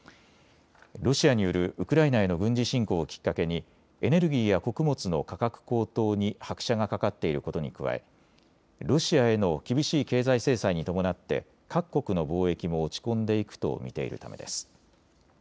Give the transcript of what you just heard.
ロシアによるウクライナへの軍事侵攻をきっかけにエネルギーや穀物の価格高騰に拍車がかかっていることに加え、ロシアへの厳しい経済制裁に伴って各国の貿易も落ち込んでいくと見ているためです。